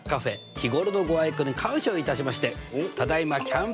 日頃のご愛顧に感謝をいたしましてただいまキャンペーン中です！